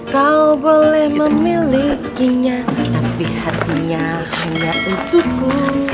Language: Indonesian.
kau boleh memilikinya tapi hatinya hanya untukku